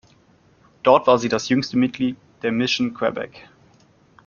Dort war sie das jüngste Mitglied der "Mission Quebec".